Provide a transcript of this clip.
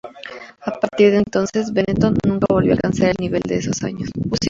A partir de entonces, Benetton nunca volvió a alcanzar el nivel de esos años.